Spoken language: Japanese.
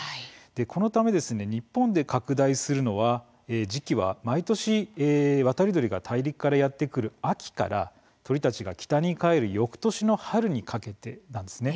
このため日本で拡大する時期は毎年、渡り鳥が大陸からやって来る秋から鳥たちが北に帰るよくとしの春にかけてなんです。